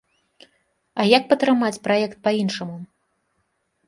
А як падтрымаць праект па-іншаму?